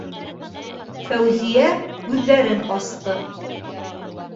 - Фәүзиә күҙҙәрен асты.